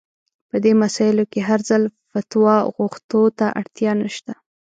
په دې مسايلو کې هر ځل فتوا غوښتو ته اړتيا نشته.